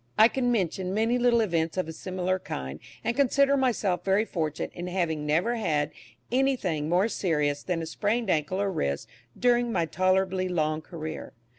I could mention many little events of a similar kind, and consider myself very fortunate in having never had anything more serious than a sprained ankle or wrist during my tolerably long career.